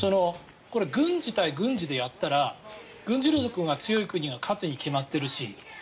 これ、軍事対軍事でやったら軍事力が強い国が勝つに決まっているし